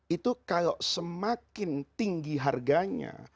itu kalau semakin tinggi harganya